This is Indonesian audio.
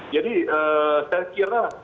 jadi saya kira